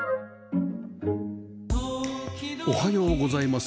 おはようございます。